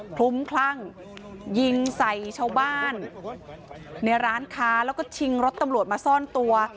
ลุ้มคลั่งยิงใส่ชาวบ้านในร้านค้าแล้วก็ชิงรถตำรวจมาซ่อนตัว